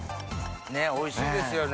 おいしいですよね。